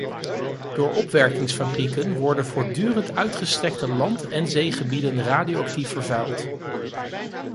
Door opwerkingsfabrieken worden voortdurend uitgestrekte land- en zeegebieden radioactief vervuild.